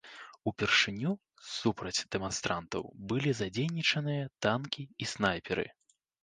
Упершыню супраць дэманстрантаў былі задзейнічаныя танкі і снайперы.